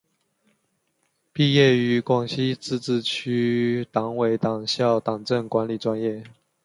毕业于广西自治区党委党校党政管理专业。